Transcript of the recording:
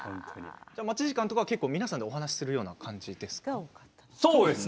待ち時間は皆さんとお話をするような感じですか？